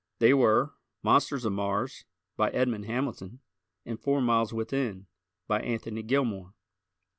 They were "Monsters of Mars," by Edmond Hamilton and "Four Miles Within," by Anthony Gilmore.